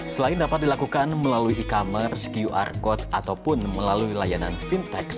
selain dapat dilakukan melalui e commerce qr code ataupun melalui layanan fintech